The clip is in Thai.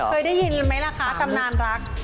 เคยได้ยินไหมล่ะคะตำนานรัก